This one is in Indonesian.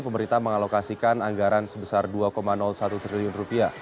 pemerintah mengalokasikan anggaran sebesar rp dua satu triliun